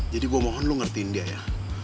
jadi gue mohon lo ngertiin dia ya